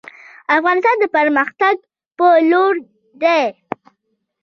افغانستان د پرمختګ په لور دی